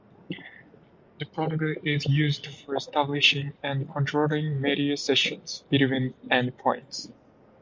The protocol is used for establishing and controlling media sessions between end points.